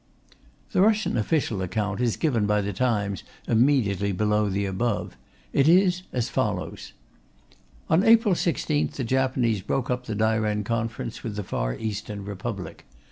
The Russian official account is given by The Times immediately below the above. It is as follows: On April 16th the Japanese broke up the Dairen Conference with the Far Eastern Republic.